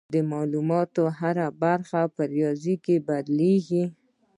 د معلوماتو هره برخه په ریاضي بدلېږي.